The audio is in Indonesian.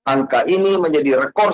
angka ini menjadi rekor